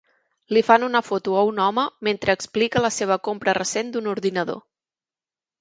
Li fan una foto a un home mentre explica la seva compra recent d'un ordinador.